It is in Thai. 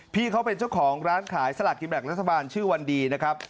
พี่เขาเป็นเจ้าของร้านขายสลากกินแบ่งรัฐบาลชื่อวันดีนะครับ